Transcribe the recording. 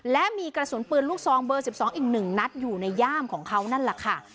และมีกระสุนปืนลูกซองเบอร์๑๒อีก๑นัดอยู่ในย่ามของเขานั่นแหละค่ะ